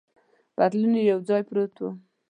پتلون یې یو ځای پروت و.